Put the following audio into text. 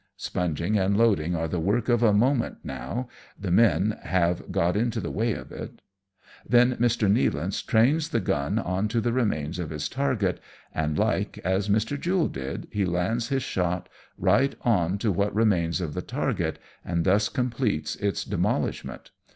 Sponging and loading are the work of a moment now, the men have c 2 20 AMONG TYPHOONS AND PIRATE CRAFT. got into the way of it ; then Mr. Nealance trains the gun on to the remains of his target, and like, as Mr. Jule did, he lands his shot right on to what remains of the target, and thus completes its demolishment.